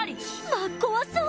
まぁ怖そう。